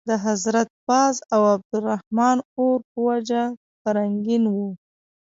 د حضرت باز او عبدالرحمن اور په وجه به رنګین وو.